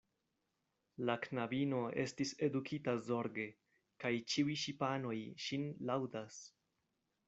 La knabino estis edukita zorge, kaj ĉiuj ŝipanoj ŝin laŭdas.